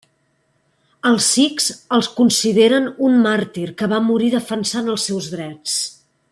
Els Sikhs el consideren un màrtir que va morir defensant els seus drets.